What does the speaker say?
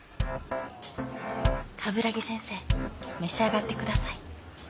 鏑木先生召し上がってください。